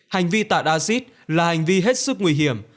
hành vi tạ acid là hành vi hết sức nguy hiểm